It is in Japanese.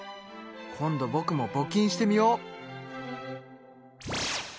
今度ぼくもぼ金してみよう！